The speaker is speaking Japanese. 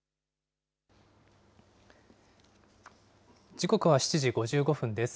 時刻は７時５５分です。